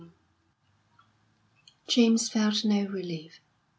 X James felt no relief.